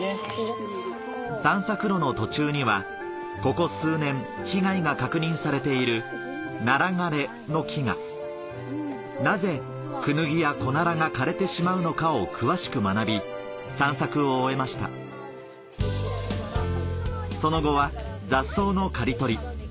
散策路の途中にはここ数年被害が確認されている「ナラ枯れ」の木がなぜクヌギやコナラが枯れてしまうのかを詳しく学び散策を終えましたその後は雑草の刈り取り